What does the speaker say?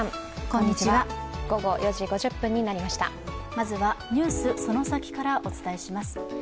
まずは、「ＮＥＷＳそのサキ！」からお伝えします。